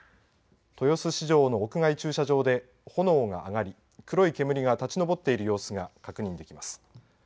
豊洲市場の屋外駐車場で炎が上がり黒い煙が立ち上っている様子が確認できます。